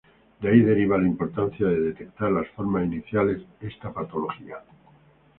De ahí deriva la importancia de detectar las formas iniciales esta patología.